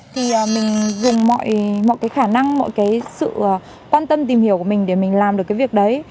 thì mình dùng mọi cái khả năng mọi cái sự quan tâm tìm hiểu của mình để mình làm được cái việc đấy